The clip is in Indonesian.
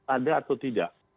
ada atau tidak